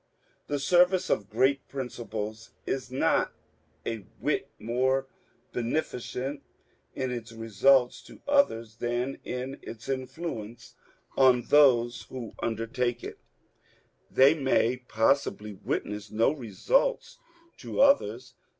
The service of great principles is not a whit more beneficent in its results to others than in its influence on those DR. W. H. FURNESS 227 who undertake it. They may possibly witness no results to others.